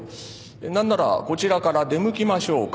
何ならこちらから出向きましょうか。